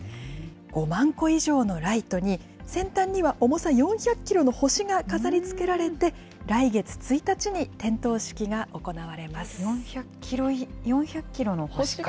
５万個以上のライトに、先端には重さ４００キロの星が飾りつけられて、来月１日に点灯式４００キロの星か。